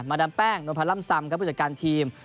มาดัมแป้งโดนพันร่ำซำกับผู้จัดการทีม